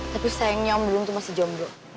tapi sayangnya om dudung tuh masih jomblo